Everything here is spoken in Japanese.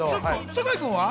坂井君は？